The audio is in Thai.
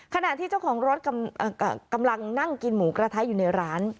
ขณะที่เจ้าของรถกำลังนั่งกินหมูกระทะอยู่ในร้าน